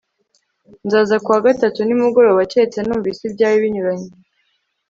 nzaza ku wa gatatu nimugoroba keretse numvise ibyawe binyuranye